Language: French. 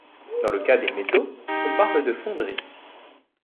Dans le cas des métaux, on parle de fonderie.